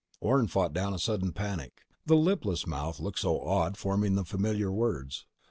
Orne fought down a sudden panic. The lipless mouth had looked so odd forming the familiar words.